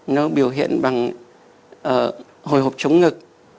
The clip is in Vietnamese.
nó biểu hiện bằng hồi hộp chống ngực